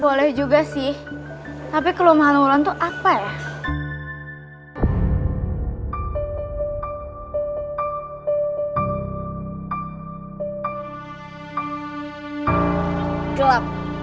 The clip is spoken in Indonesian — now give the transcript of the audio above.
boleh juga sih tapi kelemahan wulan tuh apa ya